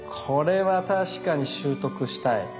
これは確かに習得したい。